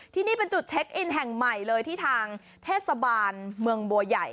ที่นี่เป็นจุดเช็คอินแห่งใหม่เลยที่ทางเทศบาลเมืองบัวใหญ่